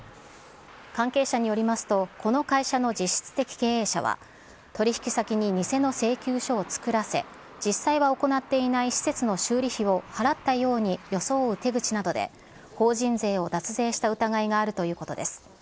関係者によりますと、この会社の実質的経営者は、取り引き先に偽の請求書を作らせ、実際は行っていない施設の修理費を払ったように装う手口などで、法人税を脱税した疑いがあるということです。